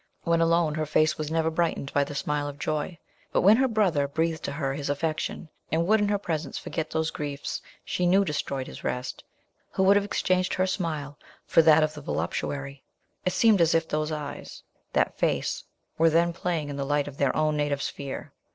When alone, her face was never brightened by the smile of joy; but when her brother breathed to her his affection, and would in her presence forget those griefs she knew destroyed his rest, who would have exchanged her smile for that of the voluptuary? It seemed as if those eyes, that face were then playing in the light of their own native sphere.